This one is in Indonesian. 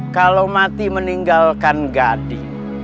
kalau mati meninggalkan gadi